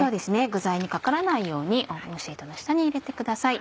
具材にかからないようにオーブンシートの下に入れてください。